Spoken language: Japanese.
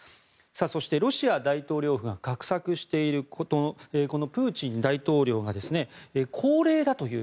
そして、ロシア大統領府が画策しているプーチン大統領が高齢だという。